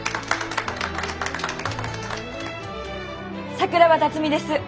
桜庭辰美です！